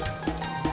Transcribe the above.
buat apa kau itu